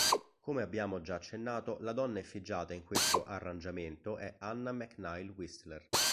Come abbiamo già accennato la donna effigiata in questo "Arrangiamento" è Anna McNeill Whistler.